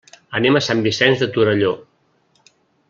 Anem a Sant Vicenç de Torelló.